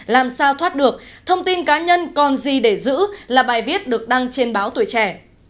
làm sao thoát được thông tin cá nhân còn gì để giữ là bài viết được đăng trên báo tuổi trẻ